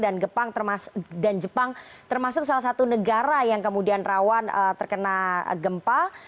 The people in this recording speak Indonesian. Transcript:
dan jepang termasuk salah satu negara yang kemudian rawan terkena gempa